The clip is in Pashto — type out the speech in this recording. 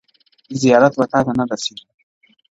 زیارت وتاته نه رسیږي!